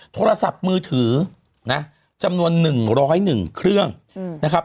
โทรศัพท์มือถือนะจำนวน๑๐๑เครื่องนะครับ